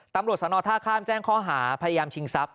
ตำรวจสนท่าข้ามแจ้งข้อหาพยายามชิงทรัพย